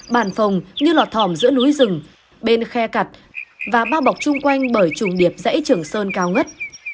bản phòng như lọt thỏm giữa núi rừng bên khe cặt và bao bọc chung quanh bởi trùng điệp dãy trưởng sơn cao ngất